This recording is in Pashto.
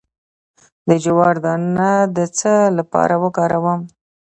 د جوار دانه د څه لپاره وکاروم؟